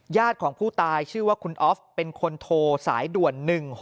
ของผู้ตายชื่อว่าคุณออฟเป็นคนโทรสายด่วน๑๖๖